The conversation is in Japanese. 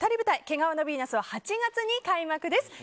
「毛皮のヴィーナス」は８月に開幕です。